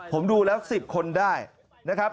ผมดูแล้ว๑๐คนได้นะครับ